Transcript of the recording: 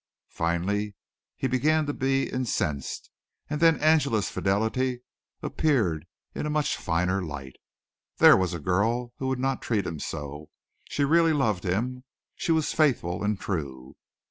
Finally he began to be incensed, and then Angela's fidelity appeared in a much finer light. There was a girl who would not treat him so. She really loved him. She was faithful and true.